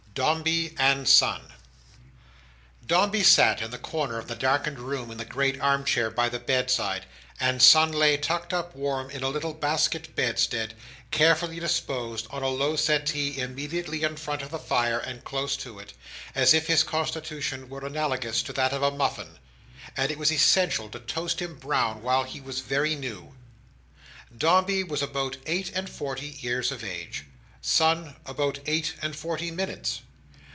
Dombey and Son Dombey sat in the corner of the darkened room in the great arm chair by the bedside, and Son lay tucked up warm in a little basket bedstead, carefully disposed on a low settee immediately in front of the fire and close to it, as if his constitution were analogous to that of a muffin, and it was essential to toast him brown while he was very new. Dombey was about eight and forty years of age. Son about eight and forty minutes.